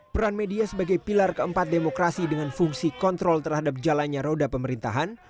peran media sebagai pilar keempat demokrasi dengan fungsi kontrol terhadap jalannya roda pemerintahan